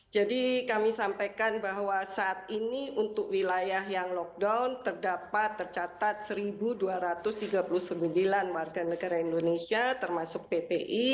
jadi kami sampaikan bahwa saat ini untuk wilayah yang lockdown terdapat tercatat satu dua ratus tiga puluh sembilan warga negara indonesia termasuk ppi